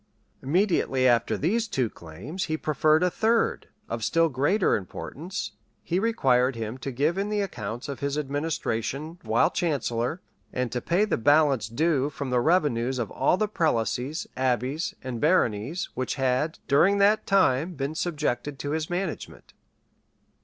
Immediately after these two claims, he preferred a third, of still greater importance; he required him to give in the accounts of his administration while chancellor, and to pay the balance due from the revenues of all the prelacies, abbeys, and baronies, which had, during that time, been subjected to his management.